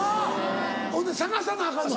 ほんで捜さなアカンの。